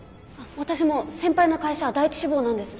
私も先輩の会社第１志望なんです。